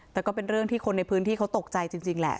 แต่ก็เป็นเรื่องที่คนในพื้นที่เขาตกใจจริงแหละ